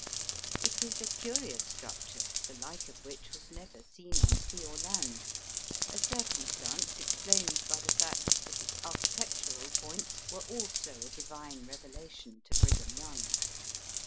It is a curious struc ture, the like of which was never seen on sea or land, a circumstance explained by the fact that its architectural points were also a Divine revelation to Brigham Young.